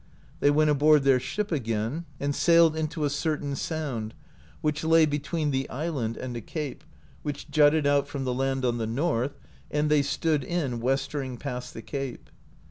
They went alx)ard their ship again and sailed into a certain sound, which lay between the island and a 8i AMERICA DISCOVERED BY NORSEMEN cape, which jutted out from the land on the north, and they stood in westering past the cape.